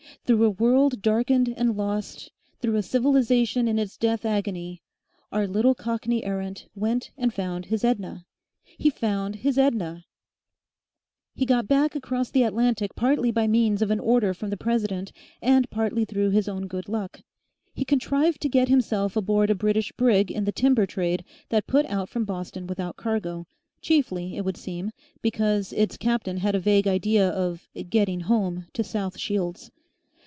Through a world darkened and lost, through a civilisation in its death agony, our little Cockney errant went and found his Edna! He found his Edna! He got back across the Atlantic partly by means of an order from the President and partly through his own good luck. He contrived to get himself aboard a British brig in the timber trade that put out from Boston without cargo, chiefly, it would seem, because its captain had a vague idea of "getting home" to South Shields.